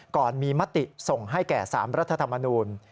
ก่อนมีมติส่งให้แก่๓รัฐธรรมนูล